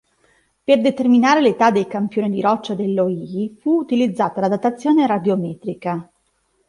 Per determinare l'età dei campioni di roccia del Loihi fu utilizzata la datazione radiometrica.